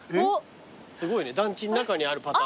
すごいね団地ん中にあるパターンだね。